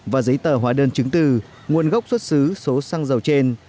và giấy tờ hóa đơn chứng từ nguồn gốc xuất xứ số xăng dầu trên